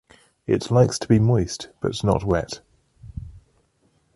It likes to be moist but not wet.